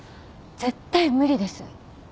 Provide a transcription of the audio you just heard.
絶対無理です。